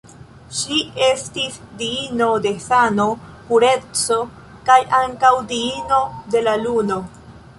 Ŝi estis diino de sano, pureco kaj ankaŭ diino de la Luno.